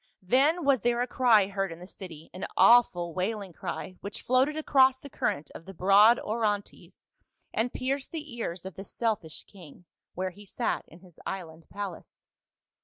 Then was there a cry heard in the city, an awful wailing cry which floated across the current of the broad Orontes and pierced the ears of the selfish king, where he sat in his island palace.